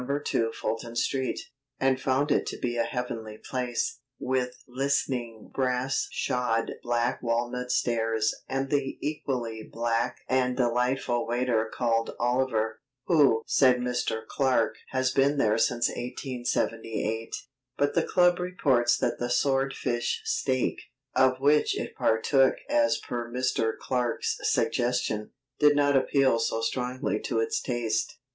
2 Fulton Street, and found it to be a heavenly place, with listing brass shod black walnut stairs and the equally black and delightful waiter called Oliver, who (said Mr. Clarke) has been there since 1878. But the club reports that the swordfish steak, of which it partook as per Mr. Clarke's suggestion, did not appeal so strongly to its taste.